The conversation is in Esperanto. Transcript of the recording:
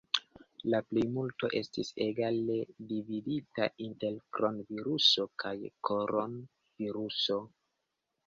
La plejmulto estis egale dividita inter kron-viruso kaj koron-viruso.